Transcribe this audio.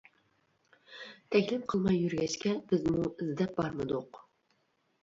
تەكلىپ قىلماي يۈرگەچكە، بىزمۇ ئىزدەپ بارمىدۇق.